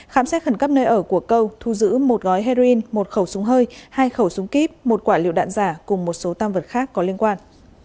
khám xét khẩn cấp nơi ở của câu thu giữ một gói heroin một khẩu súng hơi hai khẩu súng kíp một quả liệu đạn giả cùng một số tam vật khác có liên quan